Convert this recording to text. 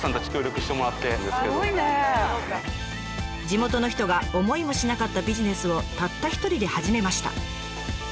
地元の人が思いもしなかったビジネスをたった一人で始めました。